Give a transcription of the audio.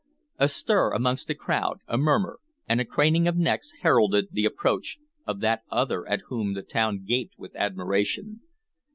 A stir amongst the crowd, a murmur, and a craning of necks heralded the approach of that other at whom the town gaped with admiration.